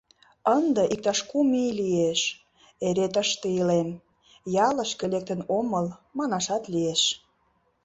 Ынде, иктаж кум ий лиеш, эре тыште илем, ялышке лектын омыл, манашат лиеш.